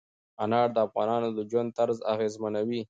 انار د افغانانو د ژوند طرز اغېزمنوي.